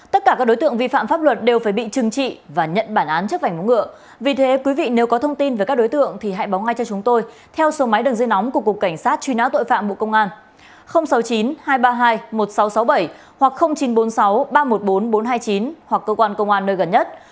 tất cả các đối tượng vi phạm pháp luật đều phải bị trừng trị và nhận bản án chấp hành ngựa vì thế quý vị nếu có thông tin về các đối tượng thì hãy báo ngay cho chúng tôi theo số máy đường dây nóng của cục cảnh sát truy nã tội phạm bộ công an sáu mươi chín hai trăm ba mươi hai một nghìn sáu trăm sáu mươi bảy hoặc chín trăm bốn mươi sáu ba trăm một mươi bốn bốn trăm hai mươi chín hoặc cơ quan công an nơi gần nhất